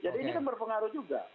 jadi ini kan berpengaruh juga